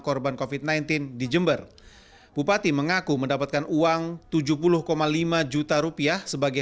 korban kofit sembilan belas di jember bupati mengaku mendapatkan uang tujuh puluh lima juta rupiah sebagai